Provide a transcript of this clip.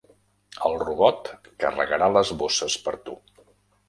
El robot carregarà les bosses per tu.